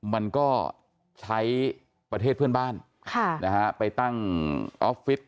มันก็ใช้ประเทศเพื่อนบ้านไปตั้งออฟฟิศ